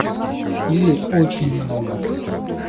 Пили очень много.